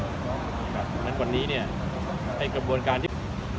เพราะฉะนั้นวันนี้เนี่ยไอ้กระบวนการที่